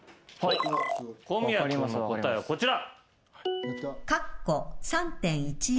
小宮君の答えはこちら。